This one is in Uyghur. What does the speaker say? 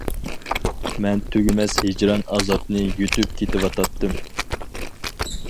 مەن تۈگىمەس ھىجران ئازابىنى يۇتۇپ كېتىۋاتاتتىم.